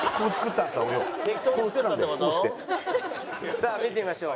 さあ見てみましょう。